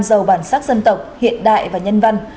giàu bản sắc dân tộc hiện đại và nhân văn